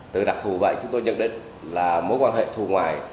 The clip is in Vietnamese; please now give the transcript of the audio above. từ đặc thù vậy chúng tôi nhận định là mối quan hệ thù ngoài